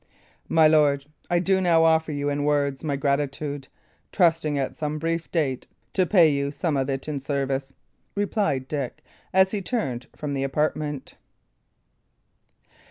"My lord, I do now offer you in words my gratitude, trusting at some brief date to pay you some of it in service," replied Dick, as he turned from the apartment.